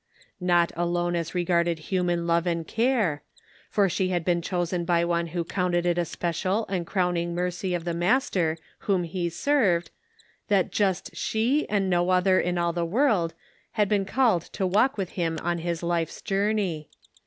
Not alone as regarded human love and care, for she had been chosen by one who counted it a special and crowning mercy of the Master whom he served, that just she and no other in all the world had been called to walk with him on his life journey.